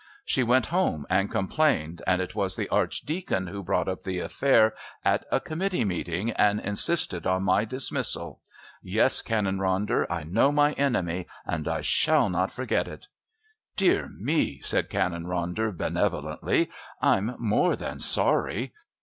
"She went home and complained, and it was the Archdeacon who brought up the affair at a Committee meeting and insisted on my dismissal. Yes, Canon Ronder, I know my enemy and I shall not forget it." "Dear me," said Canon Ronder benevolently, "I'm more than sorry.